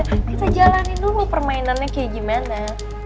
kita jalanin dulu permainannya kayak gimana